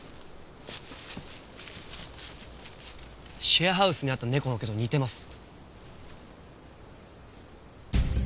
シェアハウスにあった猫の毛と似てます。